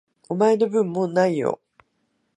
お前の分、もう無いよ。